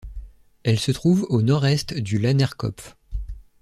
Elle se trouve au nord-est du Lahnerkopf.